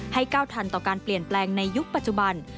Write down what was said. ก้าวทันต่อการเปลี่ยนแปลงในยุคปัจจุบัน